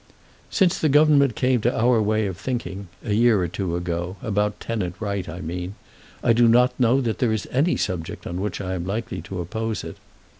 "Since the Government came to our way of thinking, a year or two ago, about Tenant Right, I mean, I do not know that there is any subject on which I am likely to oppose it.